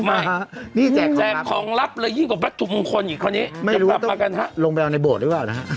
มาแจกของลับเลยยิ่งกว่าวัตถุมงคลอีกครั้งนี้